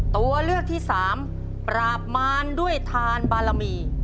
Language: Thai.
ตัวเลือกที่สามปราบมารด้วยทานบารมี